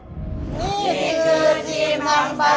นี่คือทีมทำบ้ายศรีพญานาค